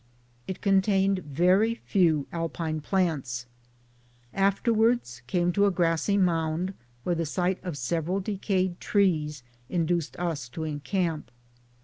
It contained very few Alpine plants. Afterwards came to a grassy mound, where the sight of several decayed trees induced us to encamp.